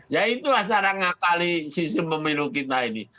ya itulah cara ngakali sistem pemilu kita ini